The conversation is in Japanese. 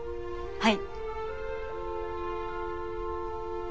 はい。